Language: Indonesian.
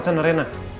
wah keren ya